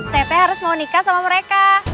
tete harus mau nikah sama mereka